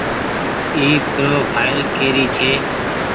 اي پروڦآئل ڪري ڇي۔